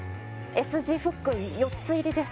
Ｓ字フック４つ入りです